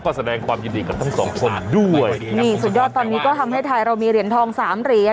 ก็แสดงความยินดีกับทั้งสองคนด้วยนี่สุดยอดตอนนี้ก็ทำให้ไทยเรามีเหรียญทองสามเหรียญ